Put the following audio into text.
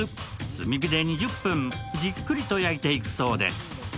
炭火で２０分、じっくりと焼いていくそうです。